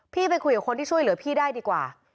ไปคุยกับคนที่ช่วยเหลือพี่ได้ดีกว่า